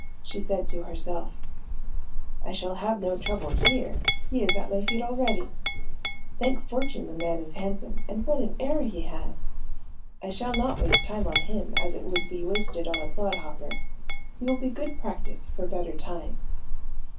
She said to herself: "I shall have no trouble here; he is at my feet already. Thank fortune the man is handsome; and what an air he has! I shall not waste time on him, as it would be wasted on a clod hopper. He will be good practice for better times."